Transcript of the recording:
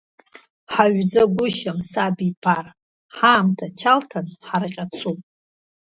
Ҳажәӡагәышьам сабиԥара, ҳаамҭа чалҭхан, ҳарҟьацуп.